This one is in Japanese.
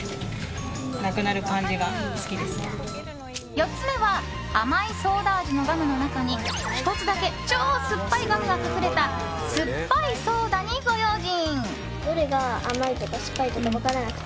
４つ目は甘いソーダ味のガムの中に１つだけ超酸っぱいガムが隠れたすっぱいソーダにご用心。